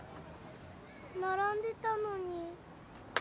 並んでたのに。